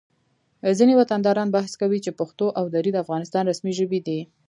ځینې وطنداران بحث کوي چې پښتو او دري د افغانستان رسمي ژبې دي